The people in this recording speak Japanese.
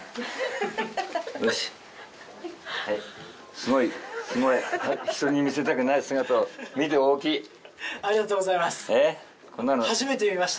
すごいすごい人に見せたくない姿を見ておいきありがとうございます